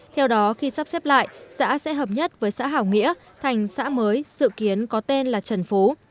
theo đó khi sắp xếp lại xã sẽ hợp nhất với xã hảo nghĩa thành xã mới dự kiến có tên là trần phú